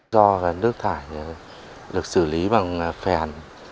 do nước thải được xử lý bằng phèn